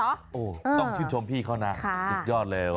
โอ้โหต้องชื่นชมพี่เขานะสุดยอดเลย